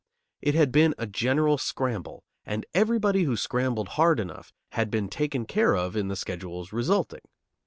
It had been a general scramble and everybody who scrambled hard enough had been taken care of in the schedules resulting.